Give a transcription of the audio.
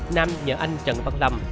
nam nhờ anh trần văn lâm